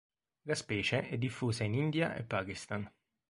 La specie è diffusa in India e Pakistan.